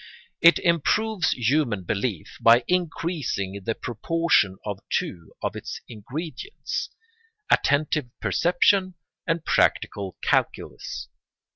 It improves human belief by increasing the proportion of two of its ingredients, attentive perception and practical calculus.